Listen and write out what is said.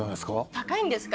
高いんですか？